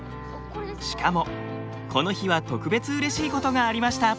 しかもこの日は特別うれしいことがありました。